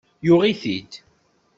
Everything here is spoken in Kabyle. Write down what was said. Yuɣ-it-id.